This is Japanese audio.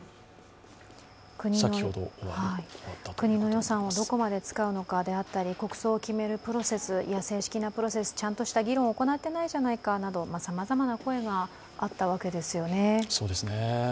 国の予算をどこまで使うのかであったり、国葬を決めるプロセス、正式なプロセス、ちゃんとした議論を行っていないじゃないかなど、さまざまな声があったわけですよね。